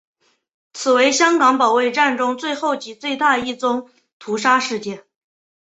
此为香港保卫战中最后及最大一宗屠杀事件。